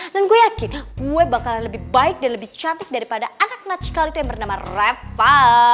dan gue yakin gue bakalan lebih baik dan lebih cantik daripada anak natsikal itu yang bernama reva